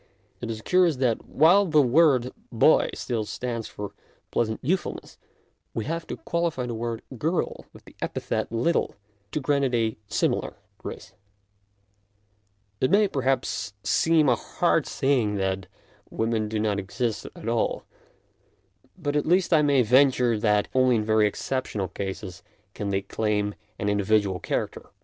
It is curious that while the word " boy " still stands for pleasant youthfulness, we have to qualify the word " girl " with the epithet " little " to grant it a similar grace. It may, perhaps, seem a hard saying that women do not exist at all, but at least I may venture that only in very exceptional cases can they claim an individual character.